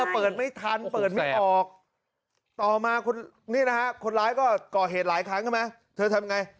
เปิดไม่ทันเปิดไม่ออกต่อมานี่นะฮะคนร้ายก็ก่อเหตุหลายครั้งใช่ไหมเธอทำไง